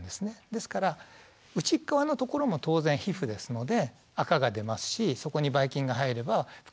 ですから内側のところも当然皮膚ですのであかが出ますしそこにばい菌が入れば不潔になります。